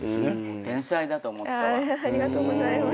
ありがとうございます。